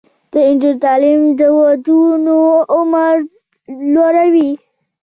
د نجونو تعلیم د ودونو عمر لوړوي.